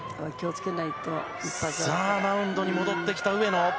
マウンドに戻ってきた上野。